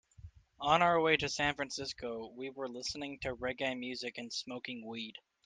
On our way to San Francisco, we were listening to reggae music and smoking weed.